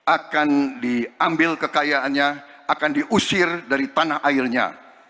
akan diambil kekayaannya akan diusir dari tanah airnya